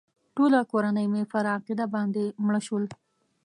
ټوله کورنۍ مې پر عقیده باندې مړه شول.